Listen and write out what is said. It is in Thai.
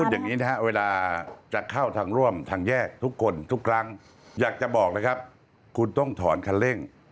อย่างนี้นะครับเวลาจะเข้าทางร่วมทางแยกทุกคนทุกครั้งอยากจะบอกนะครับคุณต้องถอนคันเร่ง